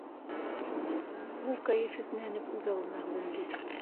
Ул, кәйефһеҙләнеп, үҙ алдына һүгенде.